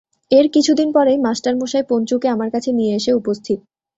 এর কিছুদিন পরেই মাস্টারমশায় পঞ্চুকে আমার কাছে নিয়ে এসে উপস্থিত।